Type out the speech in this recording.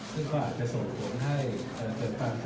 ซึ่งอาจจะส่งผลไฝกรณิสัตว์